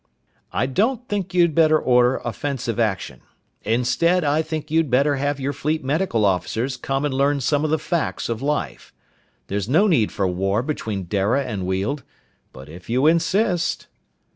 "I don't think you'd better order offensive action. Instead, I think you'd better have your fleet medical officers come and learn some of the facts of life. There's no need for war between Dara and Weald, but if you insist...."